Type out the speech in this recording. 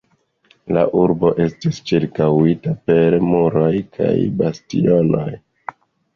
La urbo estis ĉirkaŭita per muroj kaj bastionoj.